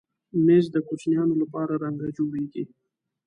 مېز د کوچنیانو لپاره رنګه جوړېږي.